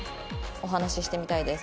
「お話ししてみたいです」。